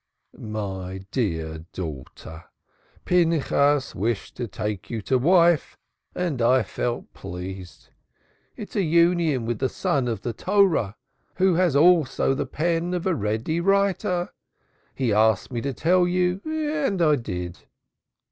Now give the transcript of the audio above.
"My dear daughter, Pinchas wished to take you to wife, and I felt pleased. It is a union with a son of the Torah, who has also the pen of a ready writer. He asked me to tell you and I did."